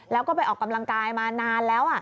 แล้วก็ไปออกกำลังกายมานานแล้ว